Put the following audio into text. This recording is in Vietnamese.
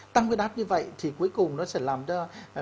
tăng quy đáp như vậy thì cuối cùng nó sẽ làm cho